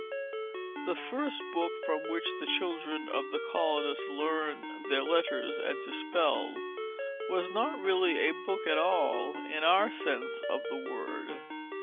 The first book from which the children of the colonists learned their letters and to spell, was not really a book at all, in our sense of the word.